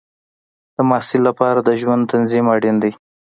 د محصل لپاره د ژوند تنظیم اړین دی.